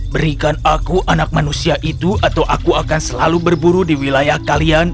berikan aku anak manusia itu atau aku akan selalu berburu di wilayah kalian